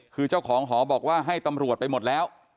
คือเจ้าของหอบอกว่าให้ตำรวจไปหมดแล้ว